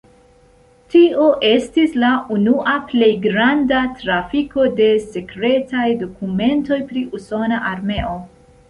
Tio estis la unua plej granda trafiko de sekretaj dokumentoj pri usona armeo.